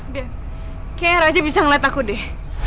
ben kayaknya raja bisa ngelihat aku deh